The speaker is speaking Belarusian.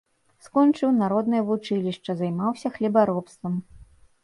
Скончыў народнае вучылішча, займаўся хлебаробствам.